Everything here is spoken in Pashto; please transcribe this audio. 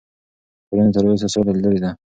ټولنې تر اوسه سوله لیدلې ده.